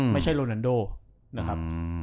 ไม่ใช่โลนันโดนะครับ